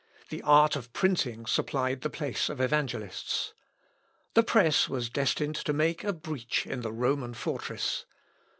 The art of printing supplied the place of evangelists. The press was destined to make a breach in the Roman fortress.